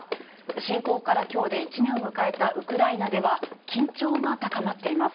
侵攻からきょうで１年を迎えたウクライナでは、緊張が高まっています。